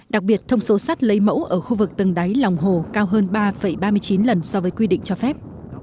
đặc biệt thông số sắt lấy mẫu ở khu vực tầng đáy lòng hồ cao hơn ba ba mươi chín lần so với quy định cho phép